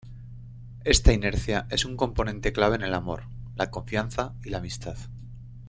Esta inercia es un componente clave en el amor, la confianza, y la amistad.